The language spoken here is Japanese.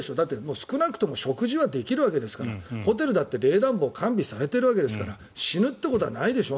少なくとも食事はできるわけですからホテルだって冷暖房が完備されているんですから死ぬってことはないでしょ。